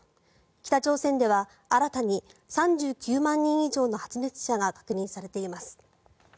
北朝鮮では新たに３９万人以上の発熱者が確認されています。